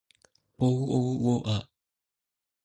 His watchfulness of my guardian was incessant.